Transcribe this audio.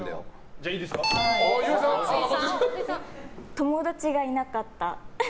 友達がいなかった。